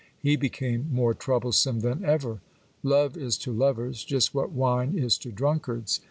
He became more troublesome than ever. Love is to lpvers just what wine is to drunkards.